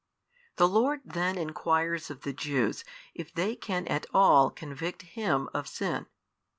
The Lord then enquires of the Jews if they can at all convict Him of sin.